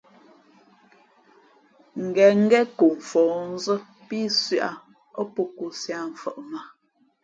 Ngα̌ ngén ko fα̌hnzᾱ pí sʉ̄ʼ ǎ, α pō kōsī ǎ mfαʼ mǎ.